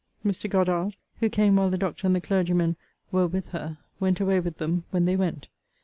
Mr. Goddard, who came while the doctor and the clergyman were with her, went away with them when they went.